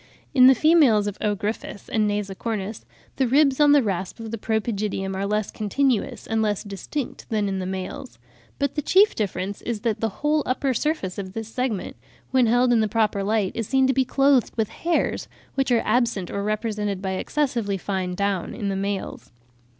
In the females of O. gryphus and nasicornis the ribs on the rasp of the pro pygidium are less continuous and less distinct than in the males; but the chief difference is that the whole upper surface of this segment, when held in the proper light, is seen to be clothed with hairs, which are absent or are represented by excessively fine down in the males.